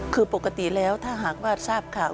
คือปกติแล้วถ้าหากว่าทราบข่าว